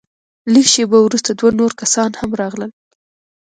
لږه شېبه وروسته دوه نور کسان هم راغلل.